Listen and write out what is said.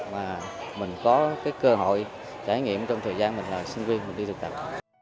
và mình có cái cơ hội trải nghiệm trong thời gian mình là sinh viên mình đi thực tập